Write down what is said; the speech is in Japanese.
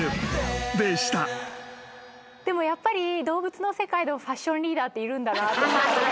でもやっぱり動物の世界でもファッションリーダーっているんだなと思って。